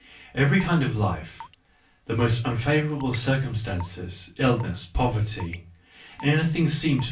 Every ' kind of life, the most unfavourable circumstances, illness, poverty — anything seemed to.